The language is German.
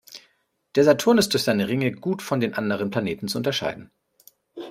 Der Saturn ist durch seine Ringe gut von den anderen Planeten zu unterscheiden.